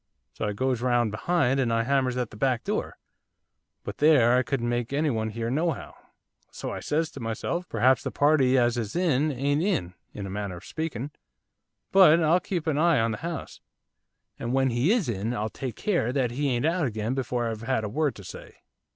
So I goes round behind, and I hammers at the back door, but there, I couldn't make anyone hear nohow. So I says to myself, "Perhaps the party as is in, ain't in, in a manner of speaking; but I'll keep an eye on the house, and when he is in I'll take care that he ain't out again before I've had a word to say."